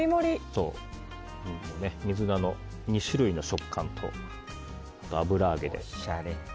水菜の２種類の食感と油揚げで。